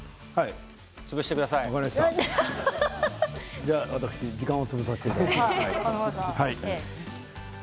では私、時間を潰させていただきます。